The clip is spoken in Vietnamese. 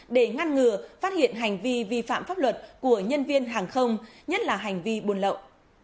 để ngăn ngừa phát hiện hành vi vi phạm pháp luật của nhân viên hàng không nhất là hành vi buôn lậu